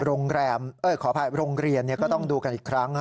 โรงแรมขออภัยโรงเรียนนี่ก็ต้องดูกันอีกครั้ง